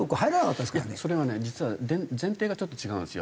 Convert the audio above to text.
それはね実は前提がちょっと違うんですよ。